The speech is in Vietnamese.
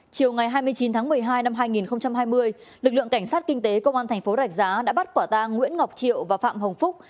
chiều ngày hai mươi chín tháng một mươi hai năm hai nghìn hai mươi lực lượng cảnh sát kinh tế công an thành phố rạch giá đã bắt quả tang nguyễn ngọc triệu và phạm hồng phúc